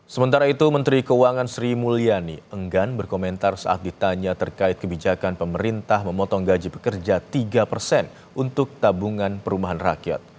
sementara itu menteri keuangan sri mulyani enggan berkomentar saat ditanya terkait kebijakan pemerintah memotong gaji pekerja tiga persen untuk tabungan perumahan rakyat